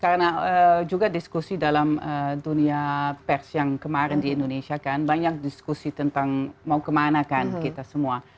karena juga diskusi dalam dunia pers yang kemarin di indonesia kan banyak diskusi tentang mau kemana kan kita semua